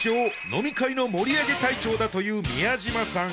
飲み会の盛り上げ隊長だという宮嶋さん